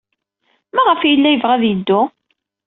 Maɣef ay yella yebɣa ad yeddu?